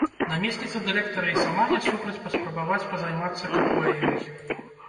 Намесніца дырэктара і сама не супраць паспрабаваць пазаймацца капуэйрай.